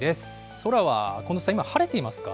空は近藤さん、今、晴れていますか。